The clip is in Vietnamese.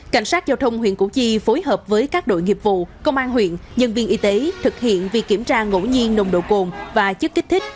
cảnh sát giao thông huyện củ chi phối hợp với các đội nghiệp vụ công an huyện nhân viên y tế thực hiện việc kiểm tra ngẫu nhiên nồng độ cồn và chất kích thích